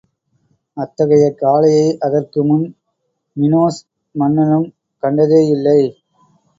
அத்தகைய காளையை அதற்கு முன் மினோஸ் மன்னனும் கண்டதேயில்லை.